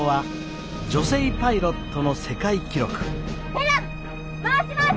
ペラ回します！